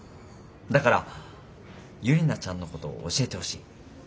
だからユリナちゃんのことを教えてほしい。